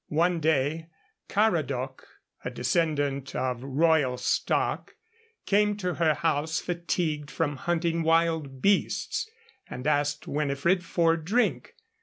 One day Caradoc, a descendant of royal stock, came to her house fatigued from hunting wild beasts, and asked Winifred for drink.